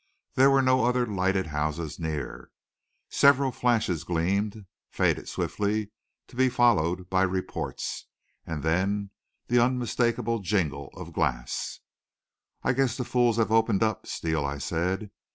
There were no other lighted houses near. Several flashes gleamed, faded swiftly, to be followed by reports, and then the unmistakable jingle of glass. "I guess the fools have opened up, Steele," I said.